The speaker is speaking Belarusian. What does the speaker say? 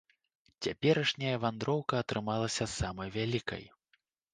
Цяперашняя вандроўка атрымалася самай вялікай.